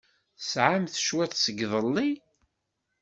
Testeɛamt cwiṭ seg iḍelli?